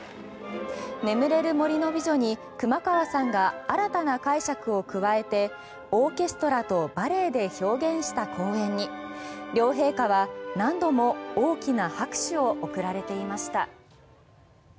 「眠れる森の美女」に熊川さんが新たな解釈を加えてオーケストラとバレエで表現した公演に両陛下は何度も大きな拍手を送られていました。